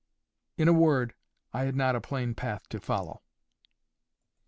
In a word, I had not a plain path to follow.